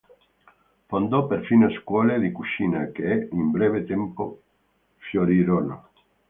Fondò perfino scuole di cucina, che in breve tempo fiorirono.